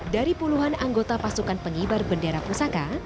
dari puluhan anggota pasukan pengibar bendera pusaka